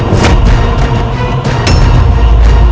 dasar pangeran manjai